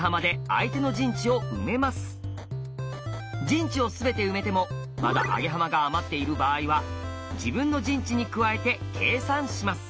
陣地を全て埋めてもまだアゲハマが余っている場合は自分の陣地に加えて計算します。